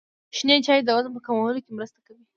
شنې چايي د وزن په کمولو کي مرسته کوي.